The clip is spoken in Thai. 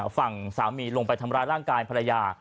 ฝั่งสามีลงไปทำร้ายร่างกายภรรยา